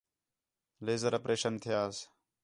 لیزر اپریشن تھیاس